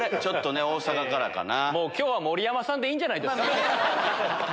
大阪からかな。